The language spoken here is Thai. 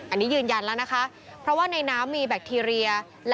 อันนี้ยืนยันแล้วนะคะเพราะว่าในน้ำมีแบคทีเรีย